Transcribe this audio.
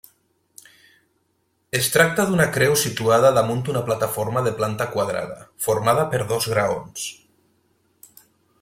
Es tracta d'una creu situada damunt una plataforma de planta quadrada, formada per dos graons.